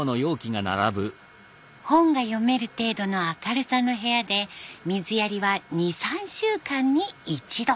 本が読める程度の明るさの部屋で水やりは２３週間に一度。